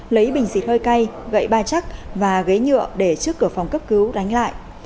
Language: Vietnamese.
lấy bình xịt hơi cay gậy ba chắc và ghế nhựa để trước cửa phòng cấp cứu đánh lại